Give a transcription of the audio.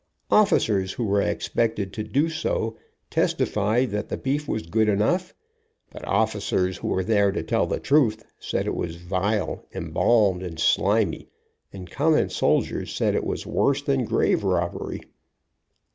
Officers who were expected to do so, testi fied that the beef was good enough, but officers who were there to tell the truth said it was vile, embalmed and slimy, and common soldiers said it was worse than grave robbery.